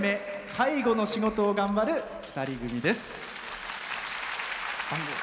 介護の仕事を頑張る２人組です。